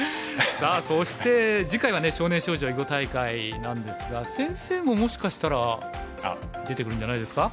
さあそして次回はね少年少女囲碁大会なんですが先生ももしかしたら出てるんじゃないですか？